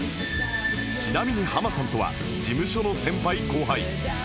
ちなみにハマさんとは事務所の先輩後輩